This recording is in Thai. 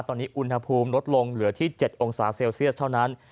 ตอนนี้อุณหภูมิลดลงเหลือที่๗องศาเซลเซียสเท่านั้น